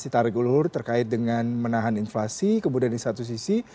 tarik ulur terkait dengan menahan inflasi kemudian di satu sisi